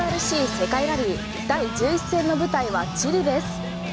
世界ラリー第１１戦の舞台はチリです。